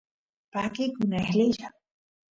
pakikun eqlilla